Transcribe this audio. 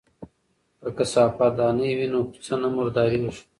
که کثافات دانی وي نو کوڅه نه مرداریږي.